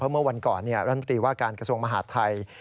เมื่อวันก่อนรัฐมนตรีว่าการกระทรวงมหาดไทย